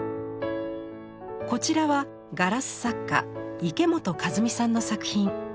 こちらはガラス作家池本一三さんの作品。